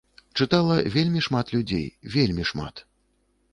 Чытала вельмі шмат людзей, вельмі шмат!